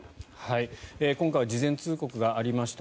今回は事前通告がありました。